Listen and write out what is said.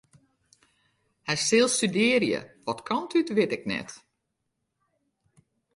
Hy sil studearje, wat kant út wit ik net.